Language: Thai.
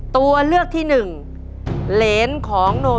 ตัวเลือกที่สอง๘คน